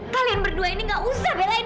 kalian berdua ini gak usah belain